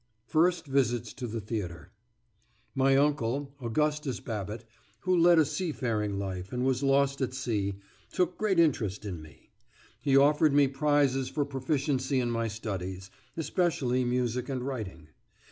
FIRST VISITS TO THE THEATRE My uncle, Augustus Babbit, who led a seafaring life and was lost at sea, took great interest in me; he offered me prizes for proficiency in my studies, especially music and writing.